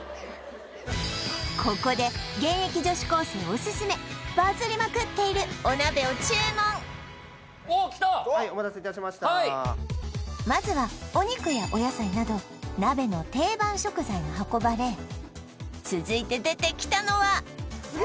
ここで現役女子高生オススメバズりまくっているお鍋を注文まずはお肉やお野菜など鍋の定番食材が運ばれ続いて出てきたのはすげえ！